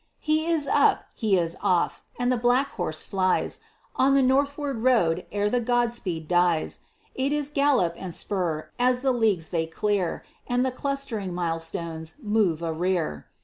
He is up; he is off! and the black horse flies On the northward road ere the "God speed" dies; It is gallop and spur, as the leagues they clear, And the clustering mile stones move a rear.